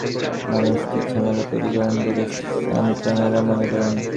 নানা জায়গায় নানাভাবে বৃদ্ধ মানুষটি ঝামেলা তৈরি করেন বলে সন্তানেরা মনে করেন।